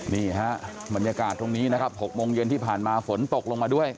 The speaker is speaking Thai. นี่ฮะบรรยากาศตรงนี้นะครับ๖โมงเย็นที่ผ่านมาฝนตกลงมาด้วย